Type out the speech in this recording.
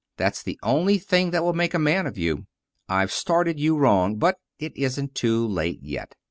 That's the only thing that will make a man of you. I've started you wrong, but it isn't too late yet.